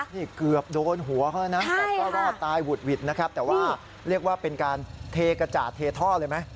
นี่เกือบโดนหัวเขาแล้วนะแต่ก็รอดตายหุดหวิดนะครับแต่ว่าเรียกว่าเป็นการเทกระจาดเทท่อเลยไหม